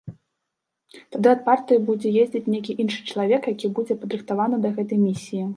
Тады ад партыі будзе ездзіць нейкі іншы чалавек, які будзе падрыхтаваны да гэтай місіі.